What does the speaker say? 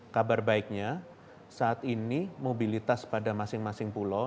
kabar baiknya saat ini mobilitas pada masing masing pulau